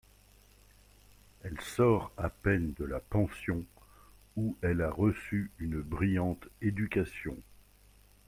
Elle sort à peine de la pension, ou elle a reçu une brillante éducation.